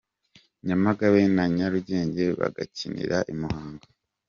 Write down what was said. Nyamagabe na Nyarugenge bagakinira i Muhanga.